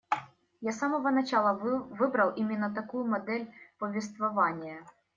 Я с самого начала выбрал именно такую модель повествования.